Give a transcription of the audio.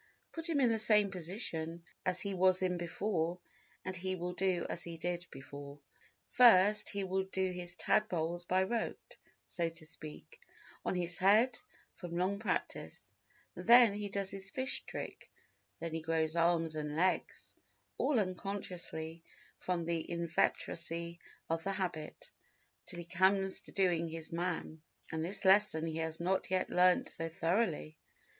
Put him in the same position as he was in before and he will do as he did before. First he will do his tadpoles by rote, so to speak, on his head, from long practice; then he does his fish trick; then he grows arms and legs, all unconsciously from the inveteracy of the habit, till he comes to doing his man, and this lesson he has not yet learnt so thoroughly.